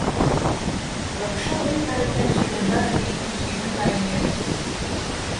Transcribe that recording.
लक्षावधी भारतीयांची गंगा नदी ही जीवनदायिनी आहे.